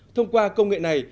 thông qua công nghệ này